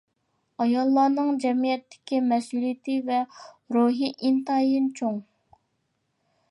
ئاياللارنىڭ جەمئىيەتتىكى مەسئۇلىيىتى ۋە رولى ئىنتايىن چوڭ.